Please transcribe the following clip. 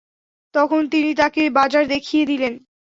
তখন তিনি তাঁকে বাজার দেখিয়ে দিলেন।